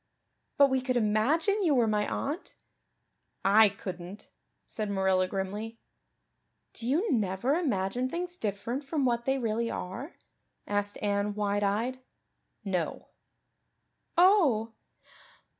"But we could imagine you were my aunt." "I couldn't," said Marilla grimly. "Do you never imagine things different from what they really are?" asked Anne wide eyed. "No." "Oh!"